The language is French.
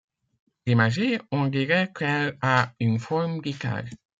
Pour imager, on dirait qu'elle a une forme guitare.